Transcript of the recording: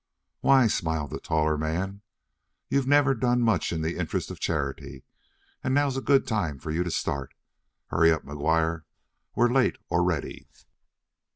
"Why," smiled the taller man, "you've never done much in the interests of charity, and now's a good time for you to start. Hurry up, McGuire; we're late already!"